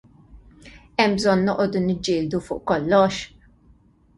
Hemm bżonn noqogħdu niġġieldu fuq kollox?